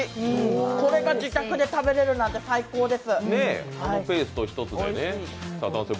これが自宅で食べれるなんて最高です。